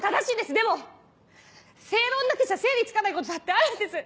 でも正論だけじゃ整理つかないことだってあるんです！